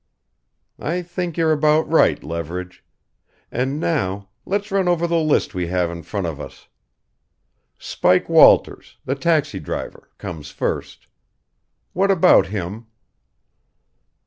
"I think you're about right, Leverage. And now let's run over the list we have in front of us. Spike Walters the taxi driver comes first. What about him?"